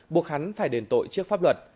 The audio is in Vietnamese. buộc hắn phải đền tội trước pháp luật